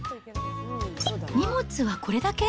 荷物はこれだけ？